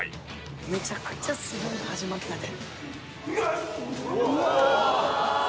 めちゃくちゃすごいの始まったで。